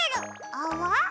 あわ？